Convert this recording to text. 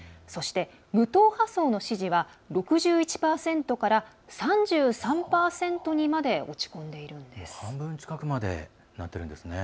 そして、無党派層の支持は６１％から３３％まで落ち込んでいるんです。